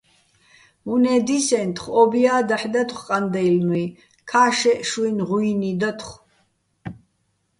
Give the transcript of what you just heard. უ̂ნე́ დისენთხო̆, ო́ბია́ დაჰ̦ დათხო̆ ყანდაჲლნუჲ, ქა́შშეჸ შუჲნი̆ ღუჲნი დათხო̆.